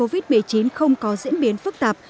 dịch bệnh covid một mươi chín không có diễn biến phức tạp